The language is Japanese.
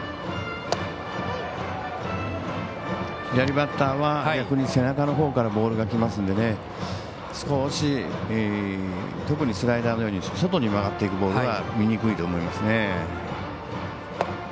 左バッターは逆に背中のほうからボールがきますので少し特にスライダーのように外に曲がっていくボールは見にくいと思いますね。